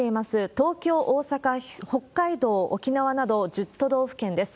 東京、大阪、北海道、沖縄など、１０都道府県です。